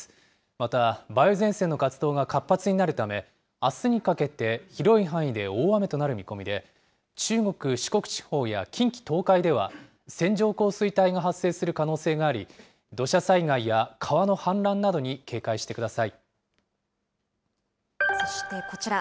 また、梅雨前線の活動が活発になるため、あすにかけて広い範囲で大雨となる見込みで、中国、四国地方や近畿、東海では線状降水帯が発生する可能性があり、土砂災害や川のそしてこちら。